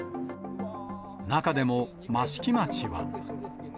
中でも益城町は。